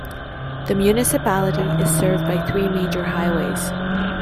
The municipality is served by three major highways.